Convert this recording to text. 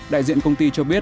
đại diện công ty cho biết